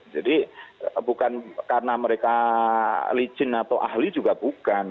jadi bukan karena mereka licin atau ahli juga bukan